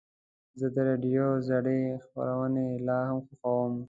زه د راډیو زړې خپرونې لا هم خوښوم.